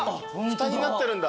ふたになってるんだ。